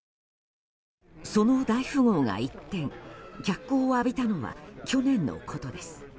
その大富豪が一転脚光を浴びたのは去年のことです。